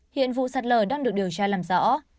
hiện vụ sạt lở đang được điều tra làm rõ